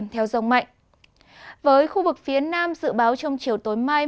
theo dòng mạnh với khu vực phía nam dự báo trong chiều tối mai